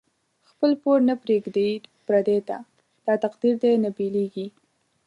خپل پور نه پریږدی پردی ته، دا تقدیر دۍ نه بیلیږی